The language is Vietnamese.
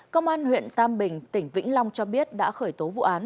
công an huyện tam bình tỉnh vĩnh long cho biết đã khởi tố vụ án